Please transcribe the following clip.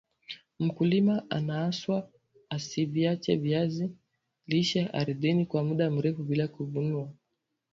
mkulima anaaswa asiviache viazi lishe ardhini kwa muda mrefu bila kuvunwa